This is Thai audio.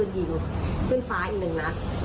อันเนี้ยมันเป็นการสามพัง